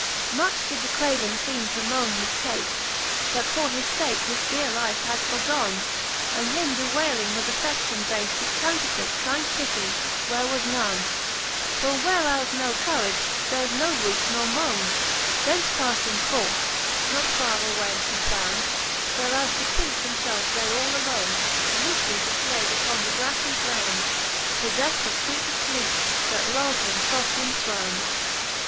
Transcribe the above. Much did tlie Craven feeme to mone his cafe, That for his fake his deare hfe had forgone; And him bewayhng with affe<Sion bafe, Did counterfeit kind pittie, where was none : For where's no courage, there's no ruth nor mone. Thence pafling forth, not farre away he found, Whereas the Prince himfelfe lay all alone, Loofely difplayd, upon the graflle ground, PoffelTed of fweete fleepe, that luld him foft in fwound.